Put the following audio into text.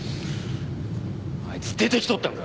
あいつ出て来とったんか！